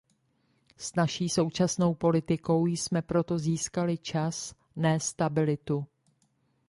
S naší současnou politikou jsme proto získali čas, ne stabilitu.